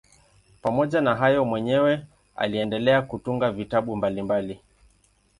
Pamoja na hayo mwenyewe aliendelea kutunga vitabu mbalimbali.